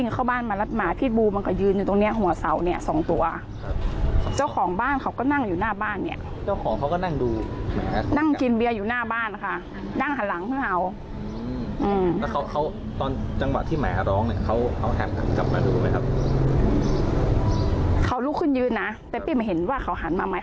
เขาลุกขึ้นยืนนะแต่พี่มาเห็นว่าเขาหันมาไหม